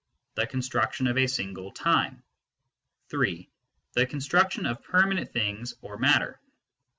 the construction of a single time ; 3. the construction of permanent things or matter.